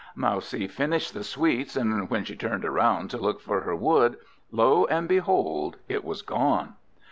Mousie finished the sweets, and when she turned round to look for her Wood, lo and behold it was gone.